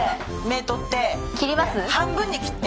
半分に切って。